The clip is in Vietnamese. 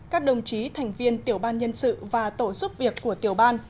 các đồng chí thành viên tiểu ban nhân sự và tổ giúp việc của tiểu ban